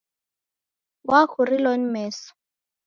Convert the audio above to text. Wakurilo ni meso!